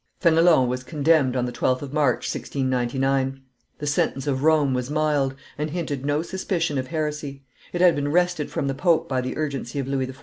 Fenelon was condemned on the 12th of March, 1699; the sentence of Rome was mild, and hinted no suspicion of heresy; it had been wrested from the pope by the urgency of Louis XIV.